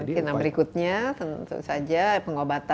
oke nah berikutnya tentu saja pengobatan